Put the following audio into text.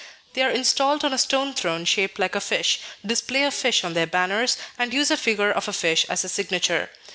They are installed on a stone throne shaped like a fish, display a fish on their banners, and use a figure of a fish as a signature.